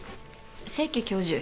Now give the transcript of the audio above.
清家教授。